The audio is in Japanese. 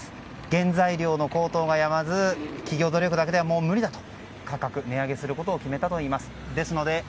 原材料の高騰がやまず企業努力だけではもう無理だと価格、値上げすることを決めたといいます。